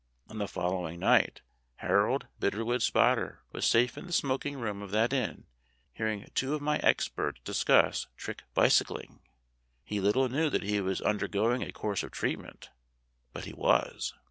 On the following night Harold Bitterwood Spotter was safe in the smoking room of that inn hearing two of my experts discuss trick bicycling. He little knew that he was undergoing a course of treatment, but he was.